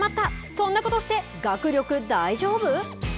そんなことして学力大丈夫。